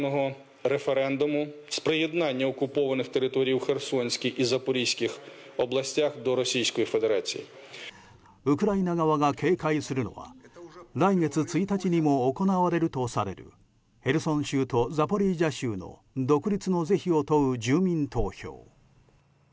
ウクライナ側が警戒するのは来月１日にも行われるとされるヘルソン州とザポリージャ州の独立の是非を問う住民投票。